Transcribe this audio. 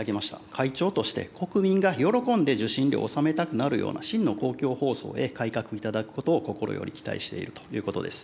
会長として国民が喜んで受信料を納めたくなるような、真の公共放送へ改革いただくことを心より期待しているということです。